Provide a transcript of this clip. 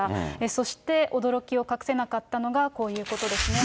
そして驚きを隠せなかったのがこういうことですね。